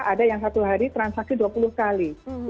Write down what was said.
ada yang satu hari transaksi dua puluh kali